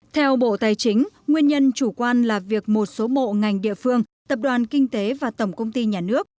theo bộ tài chính nguyên nhân chủ quan là việc một số bộ ngành địa phương tập đoàn kinh tế và tổng công ty nhà nước